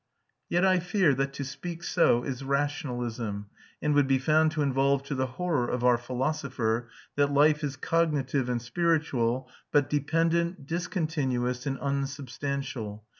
Yet I fear that to speak so is rationalism, and would be found to involve, to the horror of our philosopher, that life is cognitive and spiritual, but dependent, discontinuous, and unsubstantial.